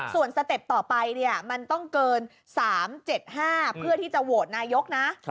ส่วนสเต็ปต่อไปมันต้องเกิน๓๗๕เพื่อที่จะโหวตนายกนะ